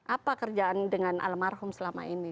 apa kerjaan dengan almarhum selama ini